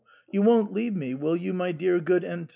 You won't leave me, will you, my dear good Antonio